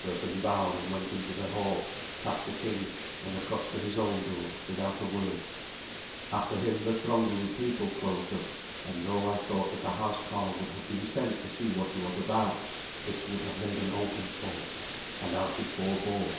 Berthun bowed and went into the hail, past the king, and across to his own door, without a word. After him the thronging people closed up, and though I thought that a housecarl would have been sent to see what he was about, this would have made an open talk, and Alsi forbore.